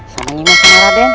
sama nimas sama raden